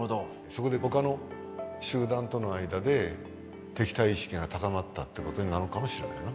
そこでほかの集団との間で敵対意識が高まったってことになるかもしれないな。